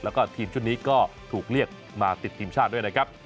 แล้วก็ทีมชุดนี้ก็ถูกเรียกมาติดทีมชาติด้วยนะครับ